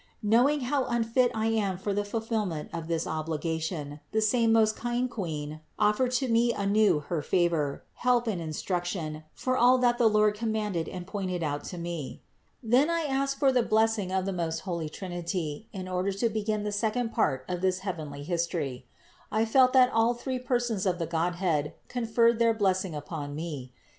Knowing how unfit I am for the fulfillment of this obli gation, the same most kind Queen offered to me anew her favor, help and instruction for all that the Lord commanded and pointed out to me. Then I asked for the blessing of the most holy Trinity in order to begin the second part of this heavenly history. I felt that all three persons of the Godhead conferred their blessing upon me.